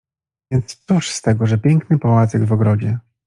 Więc cóż z tego, że piękny pałacyk w ogrodzie?